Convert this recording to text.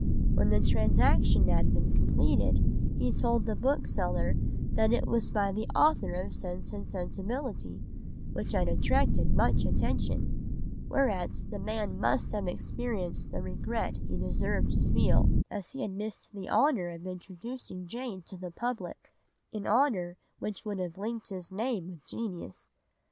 When the transaction had been completed he told the bookseller that it was by the author of Sense and Sensibility, which had attracted much attention, whereat the man must have experienced the regret he deserved to feel, as he had missed the honour of introducing Jane to the public, an honour that would have linked his name with genius.